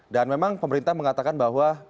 dan memang pemerintah mengatakan bahwa